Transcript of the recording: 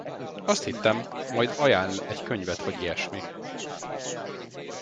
Azt hittem, majd ajánl egy könyvet vagy ilyesmi.